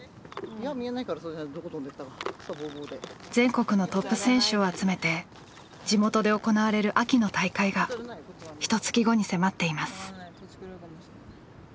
全国のトップ選手を集めて地元で行われる秋の大会がひとつき後に迫っています。